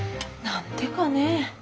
何でかね。